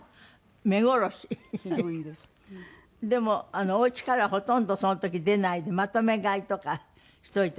でもおうちからはほとんどその時出ないでまとめ買いとかしといたんだって？